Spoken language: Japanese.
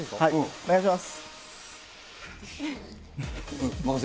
お願いします。